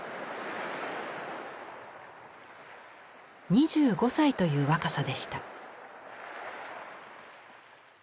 ２５歳という若さでした。